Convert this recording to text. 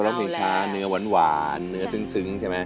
เพลงช้าเนื้อหวานเนื้อซึ้งใช่ไหม